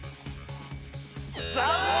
残念！